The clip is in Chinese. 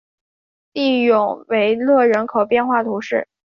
蒂永维勒人口变化图示